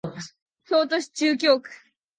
京都市中京区